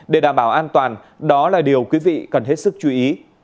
để đảm bảo an toàn đó là điều quý vị cần hết sức chú ý